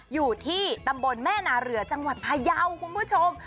อยู่ที่ตำบลแม่นาเรือจังหวัดพายาวคุณผู้ชม